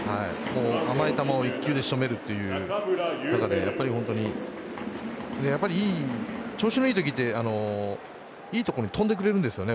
甘い球を１球で仕留めるというのでやっぱり調子のいいときっていい所に飛んでくれるんですよね